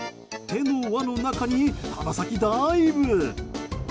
手の輪の中に鼻先ダイブ！